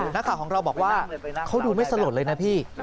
นักข่าวของเราบอกว่าเขาดูไม่สลดเลยนะพี่